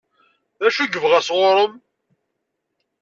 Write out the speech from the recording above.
D acu i yebɣa sɣur-m?